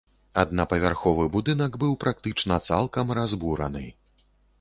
Аднапавярховы будынак быў практычна цалкам разбураны.